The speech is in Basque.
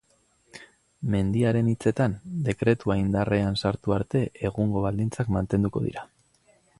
Mendiaren hitzetan, dekretua indarrean sartu arte egungo baldintzak mantenduko dira.